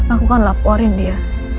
aku kan laporin dia